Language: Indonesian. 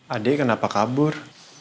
adik kenapa kabur